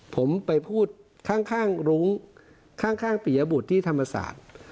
ผมไปพูดข้างรุ้งข้างปียบุตรที่ธรรมศาสตร์